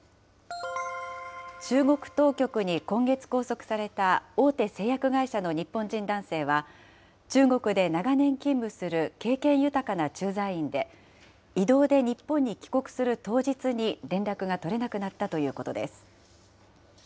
中国当局に今月、拘束された大手製薬会社の日本人男性は、中国で長年勤務する経験豊かな駐在員で、異動で日本に帰国する当日に連絡が取れなくなったということです。